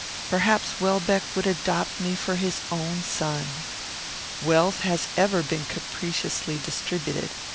Perhaps Welbeck would adopt me for his own son. Wealth has ever been capriciously distributed.